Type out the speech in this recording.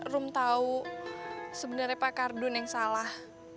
room tahu sebenarnya pak kardun yang salah